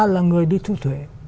là người đi thu thuế